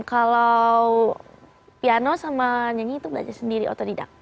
kalau piano sama nyanyi itu belajar sendiri otodidak